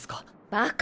バカ！